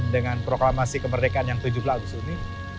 dengan proklamasi kemerdekaan yang tujuh belas agustus ini